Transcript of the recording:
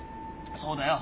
そうだよ。